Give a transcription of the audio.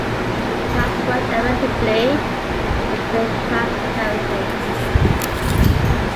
It has worked effectively and with transparency.